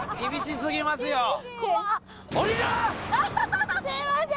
すいません！